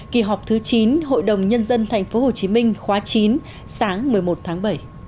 kỳ họp thứ chín hội đồng nhân dân tp hcm khóa chín sáng một mươi một tháng bảy